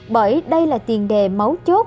bởi đây là tiền đề mấu chốt